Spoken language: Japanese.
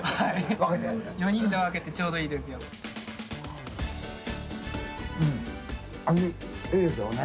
４人で分けてちょうどいいで味いいですよね。